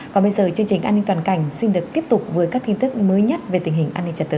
còn bây giờ chương trình an ninh toàn cảnh xin được tiếp tục với các tin tức mới nhất về tình hình an ninh trật tự